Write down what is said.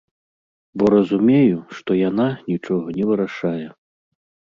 Бо разумею, што яна нічога не вырашае.